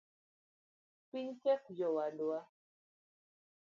Piny tek jowadwa